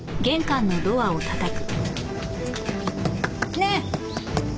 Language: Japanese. ねえ！